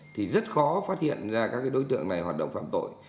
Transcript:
thì rất khó phát hiện ra các đối tượng này hoạt động phạm tội